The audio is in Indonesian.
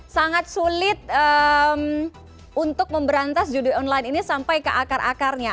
sangat sulit untuk memberantas judi online ini sampai ke akar akarnya